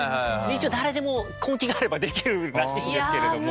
一応誰でも根気があればできるらしいんですけれども。